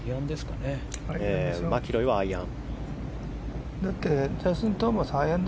マキロイはアイアン。